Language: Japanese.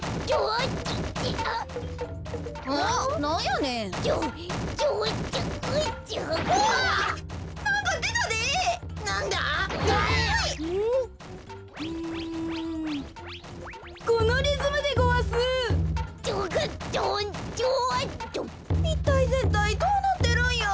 いったいぜんたいどうなってるんや？